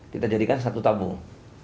kita jadikan satu tabung